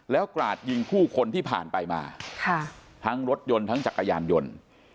แล้วกราดยิงผู้คนที่ผ่านไปมาทั้งรถยนต์ทั้งจักรยานยนต์